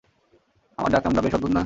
আমার ডাকনামটা বেশ অদ্ভুত না?